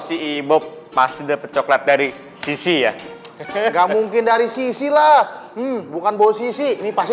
si ibok pasti dapet coklat dari sisi ya nggak mungkin dari sisi lah bukan bau sisi ini pasti